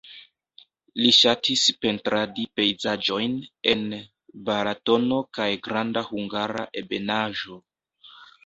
Li ŝatis pentradi pejzaĝojn en Balatono kaj Granda Hungara Ebenaĵo.